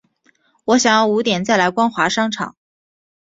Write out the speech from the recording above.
我想要五点再来光华商场